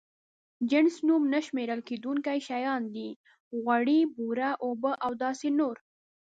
جنس نوم نه شمېرل کېدونکي شيان دي: غوړي، بوره، اوبه او داسې نور.